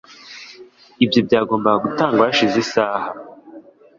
Ibi byagombaga gutangwa hashize isaha.